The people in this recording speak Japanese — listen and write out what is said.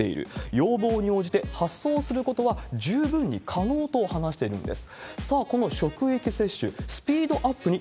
要望に応じて発送することは十分に可能と話しているんです。